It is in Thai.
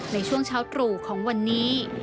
ในช่วงเช้าตรู่ของวันนี้